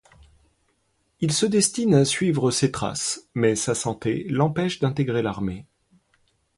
Il se destine à suivre ses traces, mais sa santé l'empêche d'intégrer l'armée.